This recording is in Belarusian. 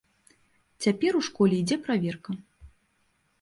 Цяпер ў школе ідзе праверка.